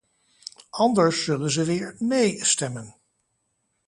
Anders zullen ze weer "nee” stemmen.